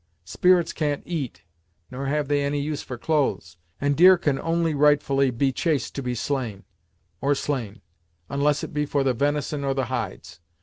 Spirits can't eat, nor have they any use for clothes, and deer can only rightfully be chased to be slain, or slain, unless it be for the venison or the hides.